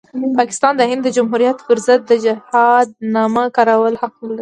پاکستان د هند د جمهوریت پرضد د جهاد د نامه کارولو حق نلري.